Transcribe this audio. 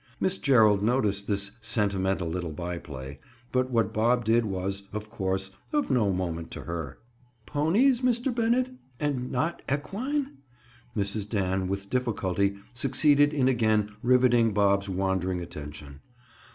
Miss Gerald noticed this sentimental little byplay, but what Bob did was, of course, of no moment to her. "Ponies, Mr. Bennett? And not equine?" Mrs. Dan with difficulty succeeded in again riveting Bob's wandering attention.